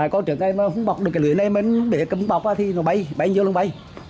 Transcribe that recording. còn trận ngày mà không bọc được cái lưới này mà để cầm bọc thì nó bay bay nhiều lần bay